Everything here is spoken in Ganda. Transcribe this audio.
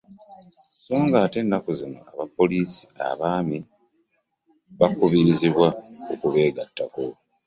So nga ate ennaku zino, abapoliisi abaami bakubirizibwa okubegattako.